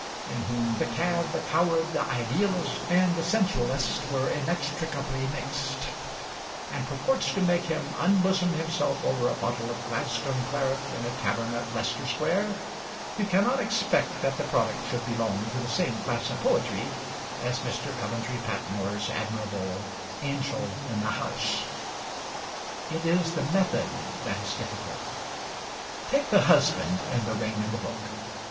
in whom the cad, the coward, the idealist, and the sensualist were inextricably mixed and purports to make him unbosom himself over a bottle of Gladstone claret in a tavern at Leicester Square, you cannot expect that the product should belong to the same class of poetry as Mr. Coventry Patmore's admirable 'Angel in the House.' It is the method that is difficult. Take the husband in 'The Ring and the Book.'